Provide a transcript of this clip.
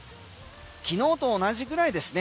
きのうと同じぐらいですね。